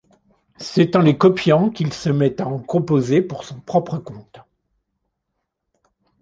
C'est en les copiant qu'il se met à en composer pour son propre compte.